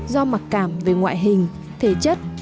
do mặc cảm về ngoại hình thể chất